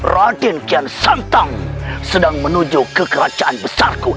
raden kian santang sedang menuju ke kerajaan besarku